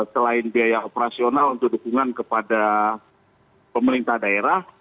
selain biaya operasional untuk dukungan kepada pemerintah daerah